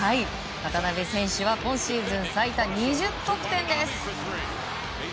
渡邊選手は今シーズン最多２０得点です。